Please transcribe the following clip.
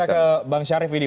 baik bang didi